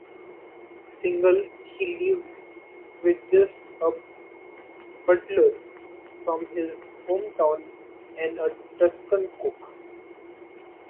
Single, he lived with just a butler from his hometown and a Tuscan cook.